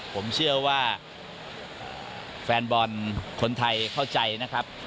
ผมเชื่อว่าแฟนบอลคนไทยเข้าใจนะครับ